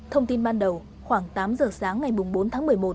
thông tin ban đầu khoảng tám giờ sáng ngày bốn tháng một mươi một